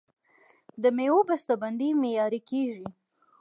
د میوو بسته بندي معیاري کیږي.